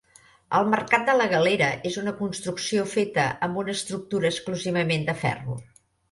El mercat de la Galera és una construcció feta amb una estructura exclusivament de ferro.